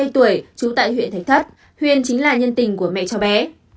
ba mươi tuổi trú tại huyện thánh thất huyền chính là nhân tình của mẹ cháu bé